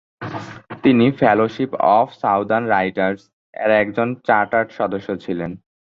তিনি "Fellowship of Southern Writers" এর একজন চার্টার্ড সদস্য ছিলেন।